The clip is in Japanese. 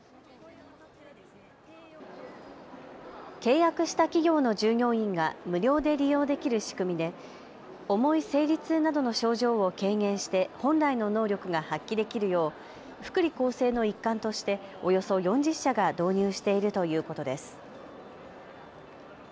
契約した企業の従業員が無料で利用できる仕組みで重い生理痛などの症状を軽減して本来の能力が発揮できるよう福利厚生の一環としておよそ４０社が導入しているということです。